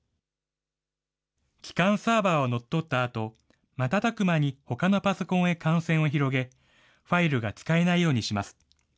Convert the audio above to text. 基幹サーバーを乗っ取ったあと、瞬く間にほかのパソコンへ感染を広げ、ファイルが使えないようにします。